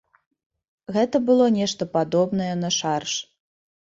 Гэта было нешта падобнае на шарж.